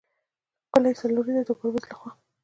ښکې څلوريزه د ګربز له خوا